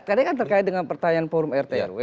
karena kan terkait dengan pertanyaan forum rtrw